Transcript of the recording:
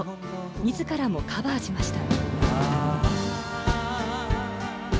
自らもカバーしました。